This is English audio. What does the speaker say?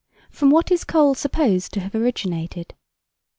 From what is Coal supposed to have originated?